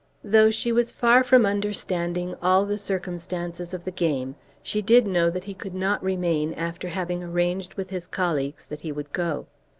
Though she was far from understanding all the circumstances of the game, she did know that he could not remain after having arranged with his colleagues that he would go.